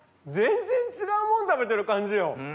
全然違うもん食べてる感じよ。